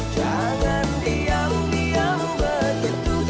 jangan diam diam begitu